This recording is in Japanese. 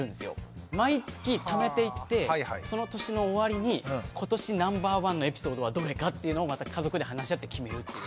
毎月ためていってその年の終わりに今年ナンバーワンのエピソードはどれかっていうのをまた家族で話し合って決めるっていう。